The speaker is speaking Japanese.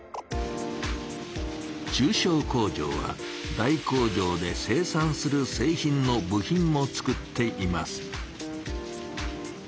中小工場は大工場で生産するせい品の部品も作っています。